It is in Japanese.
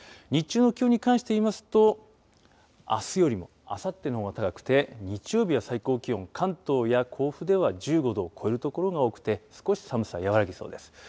日中の気温に関していいますと、あすよりもあさってのほうが高くて、日曜日は最高気温、関東や甲府では１５度を超える所が多くて、少し寒さ和らぎそうです。